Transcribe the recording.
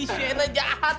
ih shaina jahat nih